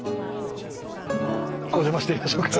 おじゃましてみましょうか。